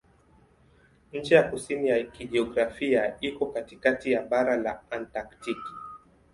Ncha ya kusini ya kijiografia iko katikati ya bara la Antaktiki.